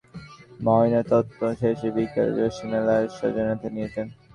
Dhaka medical কলেজের মর্গে ময়নাতদন্ত শেষে বিকেলে জসিমের লাশ স্বজনেরা নিয়ে যান।